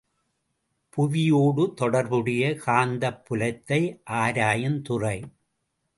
புவியோடு தொடர்புடைய காந்தப் புலத்தை ஆராயுந் துறை.